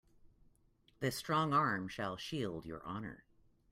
This strong arm shall shield your honor.